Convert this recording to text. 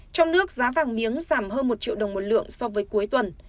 trong nước giá vàng miếng giảm hơn một triệu đồng một lượng so với cuối tuần